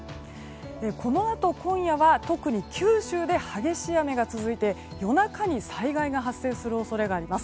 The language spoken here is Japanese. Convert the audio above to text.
このあと今夜は特に九州で激しい雨が続いて夜中に災害が発生する恐れがあります。